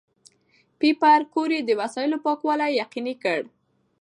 پېیر کوري د وسایلو پاکوالي یقیني کړ.